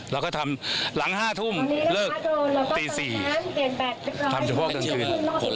เราก็ทำหลัง๕ทุ่มเลิกตี๔ทำเฉพาะกลางคืน